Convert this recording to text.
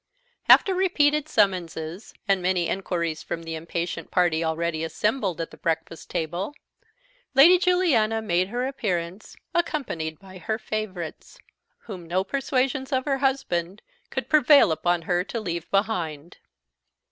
After repeated summonses and many inquiries from the impatient party already assembled the breakfast table, Lady Juliana made her appearance, accompanied by her favourites, whom no persuasions of her husband could prevail upon her to leave behind.